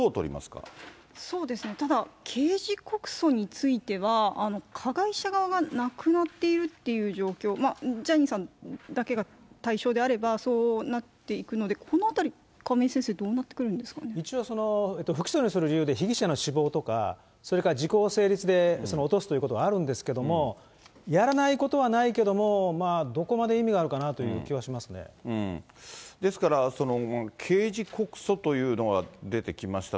ただ、刑事告訴については、加害者側が亡くなっているっていう状況、ジャニーさんだけが対象であれば、そうなっていくので、このあたり、亀井先生、どうなっ一応、不起訴にする理由で、被疑者の死亡とか、それから時効が成立で落とすということはあるんですけども、やらないことはないけども、どこまで意味があるかですから刑事告訴というのが出てきました。